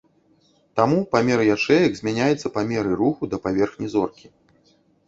Таму памер ячэек змяняецца па меры руху да паверхні зоркі.